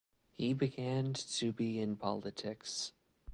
He began to be in politics.